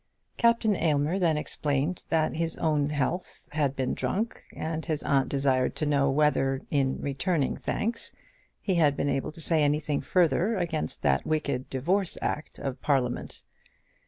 Captain Aylmer then explained that his own health had been drunk, and his aunt desired to know whether, in returning thanks, he had been able to say anything further against that wicked Divorce Act of Parliament.